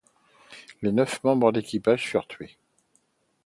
Les neuf membres d'équipage furent tués.